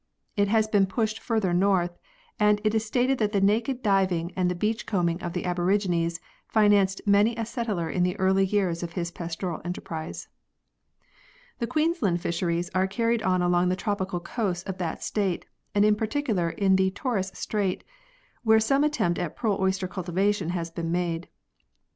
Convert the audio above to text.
It has been pushed further north, and it is stated that the naked diving and the beach combing of the aborigines financed many a settler in the early years of his pastoral enterprise. The Queensland fisheries are carried on along the tropical coasts of that state and in particular in the Torres Strait, where some attempts at pearl oyster cultivation have been made.